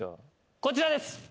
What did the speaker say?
こちらです。